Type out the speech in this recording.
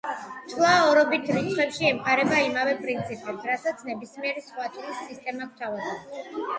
თვლა ორობით რიცხვებში ემყარება იმავე პრინციპს, რასაც ნებისმიერი სხვა თვლის სისტემა გვთავაზობს.